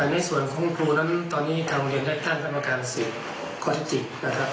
ในส่วนของครูตอนนี้กลางเรียนได้ตั้งดำเนินการ๑๐ข้อเท็จจริง